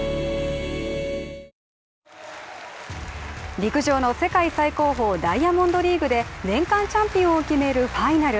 陸上の世界最高峰、ダイヤモンドリーグで年間チャンピオンを決める、ファイナル。